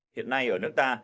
hiện nay ở nước ta